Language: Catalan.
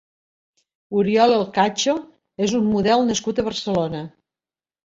Oriol Elcacho és un model nascut a Barcelona.